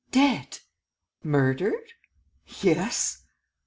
"Dead!" "Murdered?" "Yes."